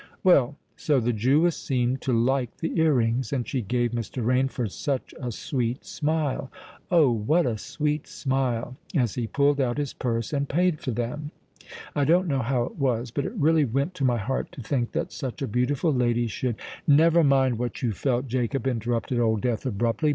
Well, so the Jewess seemed to like the ear rings; and she gave Mr. Rainford such a sweet smile—Oh! what a sweet smile—as he pulled out his purse and paid for them. I don't know how it was—but it really went to my heart to think that such a beautiful lady should——" "Never mind what you felt, Jacob," interrupted Old Death abruptly.